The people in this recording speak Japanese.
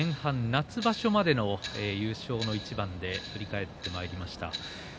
夏場所までの優勝の一番で振り返ってまいりました。